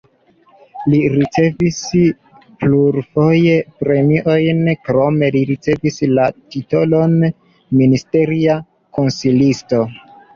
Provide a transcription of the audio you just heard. Li ricevis plurfoje premiojn, krome li ricevis la titolon ministeria konsilisto.